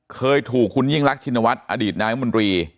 เคยถูกคุณยิ่งรักชินวัฒน์อดีตนายมนตรี